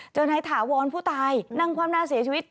นายถาวรผู้ตายนั่งความน่าเสียชีวิต